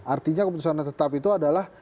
artinya keputusan tetap itu adalah